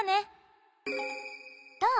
どう？